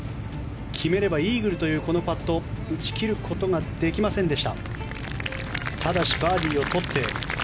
決めればイーグルというこのパット打ち切ることができませんでした。